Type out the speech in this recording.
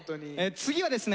次はですね